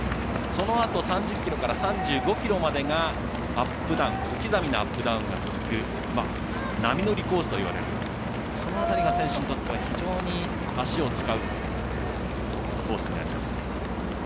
そのあと３０ｋｍから３５ｋｍまでが小刻みなアップダウンが続く波乗りコースといわれるその辺りが、選手にとっては非常に足を使うコースになります。